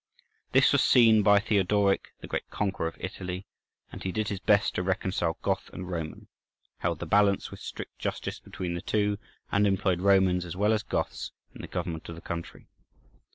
This was seen by Theodoric, the great conqueror of Italy; and he did his best to reconcile Goth and Roman, held the balance with strict justice between the two, and employed Romans as well as Goths in the government of the country.